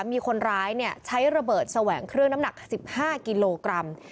มีคนร้ายใช้ระเบิดแสวงเครื่องน้ำหนัก๑๕กิโลกรัม